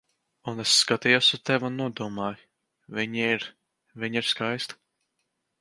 Un es skatījos uz tevi un nodomāju: "Viņa ir... Viņa ir skaista."